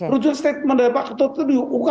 rujukan statement dari pak ketut itu diungkap